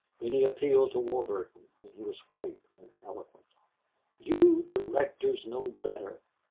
Then he appealed to Warburton and he was white and eloquent. "You directors know better.